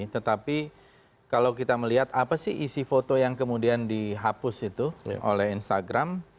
tetapi kalau kita melihat apa sih isi foto yang kemudian dihapus itu oleh instagram